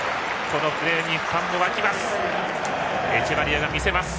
このプレーにファンも沸きます。